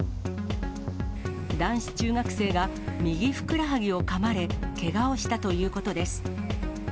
男子中学生が右ふくらはぎをかまれ、けがをしたということです。